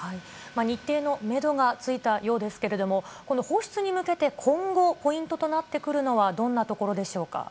日程のメドがついたようですけれども、この放出に向けて今後、ポイントとなってくるのはどんなところでしょうか。